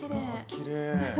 きれい！